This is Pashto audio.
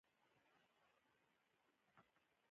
د بل د حق غصب کول غلط دي.